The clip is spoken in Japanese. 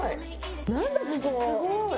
何だここ。